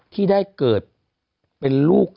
ที่ได้เกิดเป็นลูก